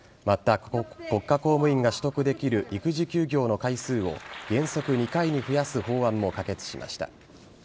また、国家公務員が取得できる育児休業の回数を原則２回に増やす法案も可決しました。